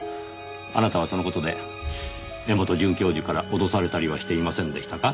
あなたはその事で柄本准教授から脅されたりはしていませんでしたか？